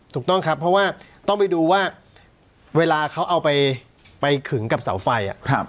ถูกต้องครับเพราะว่าต้องไปดูว่าเวลาเขาเอาไปขึงกับเสาไฟ